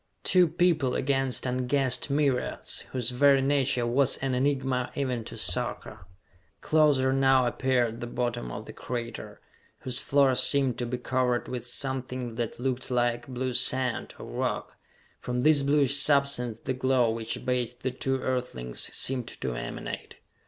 Two people against unguessed myriads, whose very nature was an enigma, even to Sarka. Closer now appeared the bottom of the crater, whose floor seemed to be covered with something that looked like blue sand, or rock. From this bluish substance the glow which bathed the two Earthlings seemed to emanate.